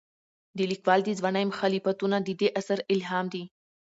د لیکوال د ځوانۍ مخالفتونه د دې اثر الهام دي.